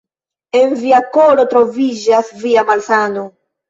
En via koro troviĝas via malsano.